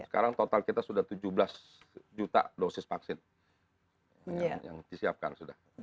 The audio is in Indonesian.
sekarang total kita sudah tujuh belas juta dosis vaksin yang disiapkan sudah